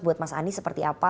buat mas anies seperti apa